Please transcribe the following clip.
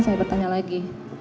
saya bertanya lagi